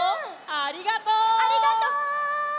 ありがとう！